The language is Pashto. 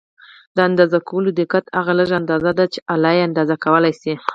د اندازه کولو دقت هغه لږه اندازه ده چې آله یې اندازه کولای شي.